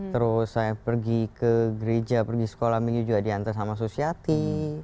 terus saya pergi ke gereja pergi sekolah minggu juga diantar sama susiati